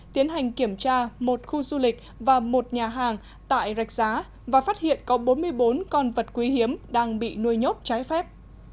tiến hành kiểm tra một khu du lịch và một nhà hàng tại rạch giá và phát hiện có bốn mươi bốn con vật quý hiếm đang bị nuôi nhốt trái phép